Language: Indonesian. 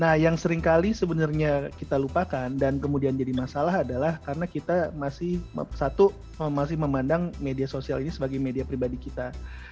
nah yang seringkali sebenarnya kita lupakan dan kemudian jadi masalah adalah karena kita masih satu masih memandang media sosial ini sebagai media pribadi kita